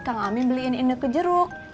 kang amin beliin ineke jeruk